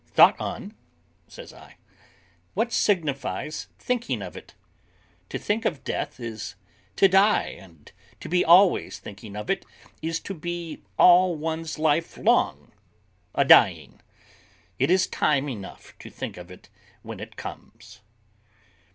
"Thought on!" says I; "what signifies thinking of it? To think of death is to die, and to be always thinking of it is to be all one's life long a dying. It is time enough to think of it when it comes."